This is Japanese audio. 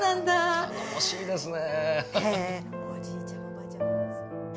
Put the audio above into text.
頼もしいですね。